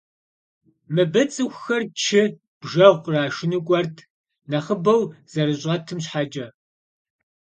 Мыбы цӏыхухэр чы, бжэгъу кърашыну кӏуэрт, нэхъыбэу зэрыщӏэтым щхьэкӏэ.